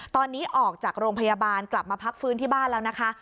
ตอนนี้ออกจากโรงพยาบาลกลับมาพักฟื้นที่บ้านแล้วนะคะ